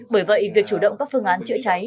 bởi vậy việc chủ động các phương án chữa cháy